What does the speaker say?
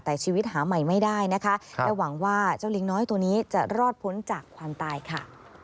แต่ชีวิตหาใหม่ไม่ได้นะคะและหวังว่าเจ้าลิงน้อยตัวนี้จะรอดพ้นจากความตายค่ะ